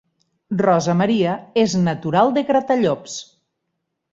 Rosa Maria és natural de Gratallops